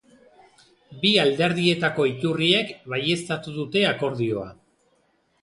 Bi alderdietako iturriek baieztatu dute akordioa.